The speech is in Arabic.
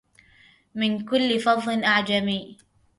من كل فظ أعجمي